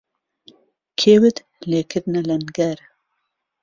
کێوت لێکردنه لهنگهر